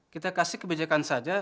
kita kasih kebijakan saja